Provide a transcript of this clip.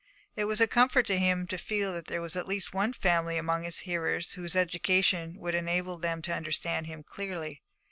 It was a comfort to him to feel that there was at least one family among his hearers whose education would enable them to understand him clearly.